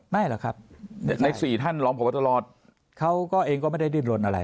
ไม่หรอกครับใน๔ท่านรองพบตรเขาก็เองก็ไม่ได้ดิ้นลนอะไร